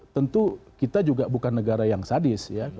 tentu kita juga bukan negara yang sadis ya